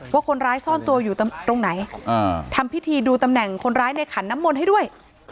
ว่าคนร้ายซ่อนตัวอยู่ตรงไหนทำพิธีดูตำแหน่งคนร้ายในขันน้ำมนต์ให้ด้วย